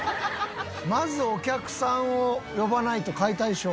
まずお客さんを呼ばないと解体ショーも。